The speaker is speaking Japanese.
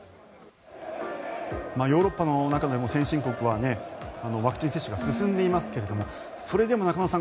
ヨーロッパの中でも先進国はワクチン接種が進んでいますがそれでも中野さん